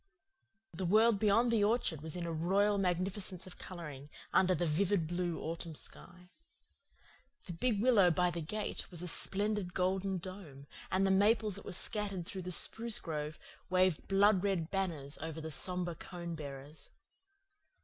The world beyond the orchard was in a royal magnificence of colouring, under the vivid blue autumn sky. The big willow by the gate was a splendid golden dome, and the maples that were scattered through the spruce grove waved blood red banners over the sombre cone bearers.